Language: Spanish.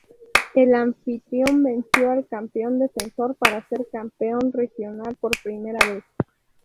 El anfitrión venció al campeón defensor para ser campeón regional por primera vez.